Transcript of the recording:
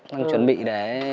đang chuẩn bị để